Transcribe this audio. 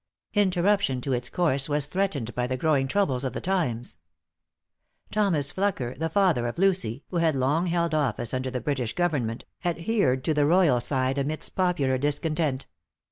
Interruption to its course was threatened by the growing troubles of the times. Thomas Flucker, the father of Lucy, who had long held office under the British government, adhered to the royal side amidst popular discontent.